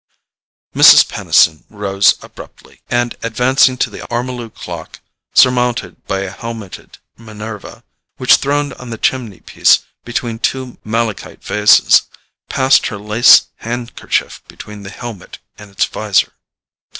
Mrs. Peniston rose abruptly, and, advancing to the ormolu clock surmounted by a helmeted Minerva, which throned on the chimney piece between two malachite vases, passed her lace handkerchief between the helmet and its visor.